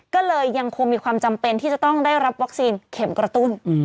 ก็เลยยังคงมีความจำเป็นที่จะต้องได้รับวัคซีนเข็มกระตุ้น